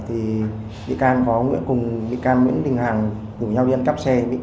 thì bị can có nguyễn cùng bị can nguyễn đình hằng dùng nhau đi ăn cắp xe